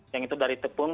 yang itu dari tepung